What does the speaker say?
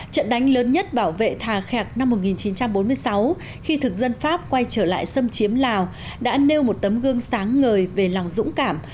trận đánh lớn nhất bảo vệ thà khẹc năm một nghìn chín trăm bốn mươi sáu khi thực dân pháp quay trở lại xâm chiếm lào đã nêu một tấm gương sáng ngời về lòng dũng cảm